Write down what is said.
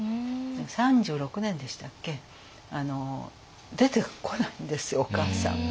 ３６年でしたっけ出てこないんですよお母さん。